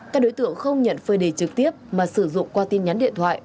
các đối tượng không nhận phơi đề trực tiếp mà sử dụng qua tin nhắn điện thoại